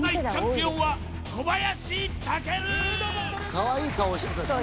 かわいい顔してたしね